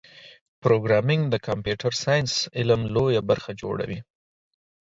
پروګرامېنګ د کمپیوټر ساینس علم لویه برخه جوړوي.